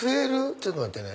ちょっと待ってね。